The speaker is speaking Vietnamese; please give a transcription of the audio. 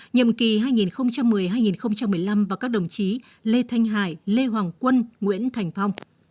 nhiệm kỳ hai nghìn một mươi hai nghìn một mươi năm và các đồng chí lê thanh hải lê hoàng quân nguyễn thành phong